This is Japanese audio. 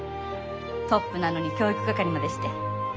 トップなのに教育係までして。